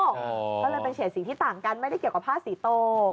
ก็เลยเป็นเฉดสีที่ต่างกันไม่ได้เกี่ยวกับผ้าสีโต